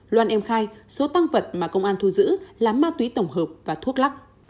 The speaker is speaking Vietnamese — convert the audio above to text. loan em khai số tăng vật mà công an thu giữ là ma túy tổng hợp và thuốc lắc